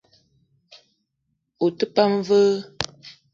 Ou te pam vé?